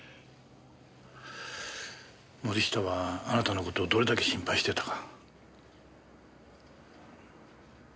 森下はあなたの事をどれだけ心配してたか。